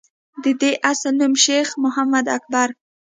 دَدوي اصل نوم شېخ محمد اکبر